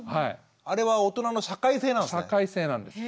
あれは大人の社会性なんですね。